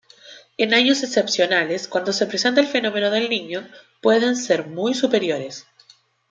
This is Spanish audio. En años excepcionales, cuando se presenta el fenómeno del Niño, pueden ser muy superiores.